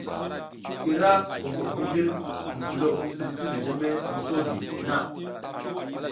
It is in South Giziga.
Ira huɓuɗ hindir mi sulo misi medeme mi sodi na.